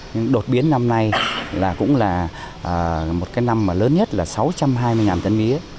nhưng đột biến năm nay là cũng là một cái năm mà lớn nhất là sáu trăm hai mươi tấn mía